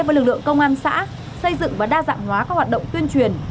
với lực lượng công an xã xây dựng và đa dạng hóa các hoạt động tuyên truyền